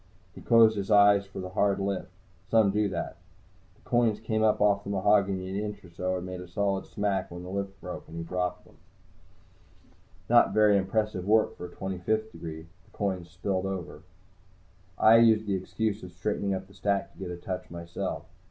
He closed his eyes for the hard lift. Some do that. The coins came up off the mahogany an inch or so, and made a solid smack when the lift broke and he dropped them back. Not very impressive work for a Twenty fifth degree. The coins spilled over. I used the excuse of straightening up the stack to get a touch, myself.